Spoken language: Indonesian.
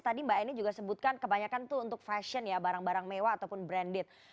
tadi mbak eni juga sebutkan kebanyakan itu untuk fashion ya barang barang mewah ataupun branded